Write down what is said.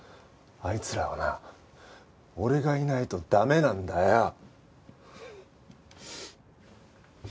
あいつらはな俺がいないと駄目なんだよ。